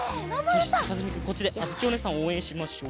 よしじゃあかずふみくんこっちであづきおねえさんをおうえんしましょう。